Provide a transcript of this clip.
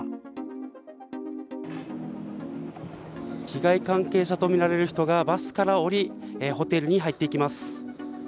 被害関係者と見られる人がバスから降り、ホテルに入っていきます。